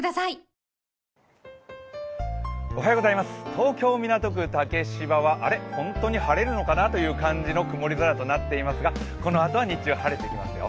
東京・港区竹芝はあれ、本当に晴れるのかなという曇り空となっていますが、このあとは日中、晴れてきますよ。